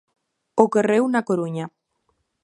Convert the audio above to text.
Ocorreu na Coruña.